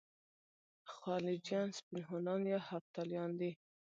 خلجیان سپین هونان یا هفتالیان دي.